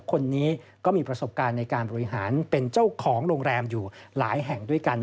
คนนี้ก็มีประสบการณ์ในการบริหารเป็นเจ้าของโรงแรมอยู่หลายแห่งด้วยกัน